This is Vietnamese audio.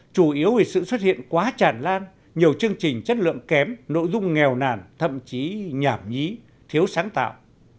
chủ yếu vì sự xuất hiện quá tràn lan nhiều chương trình chất lượng kém nội dung nghèo nàn thậm chí nhảm nhí thiếu sáng tạo